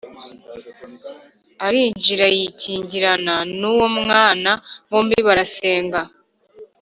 Arinjira yikingirana n uwo mwana bombi barasenga